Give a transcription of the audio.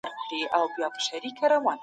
باید پوه سو چې لومړنی دولت څنګه منځته راغی.